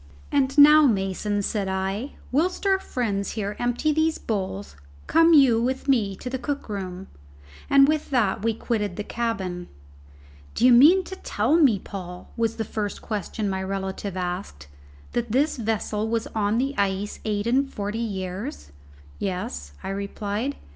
"And now, Mason," said I, "whilst our friends here empty these bowls, come you with me to the cook room." And with that we quitted the cabin. "D'ye mean to tell me, Paul," was the first question my relative asked, "that this vessel was on the ice eight and forty years?" "Yes," I replied.